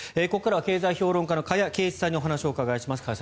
ここからは経済評論家の加谷珪一さんにお話を伺います。